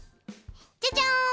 じゃじゃん！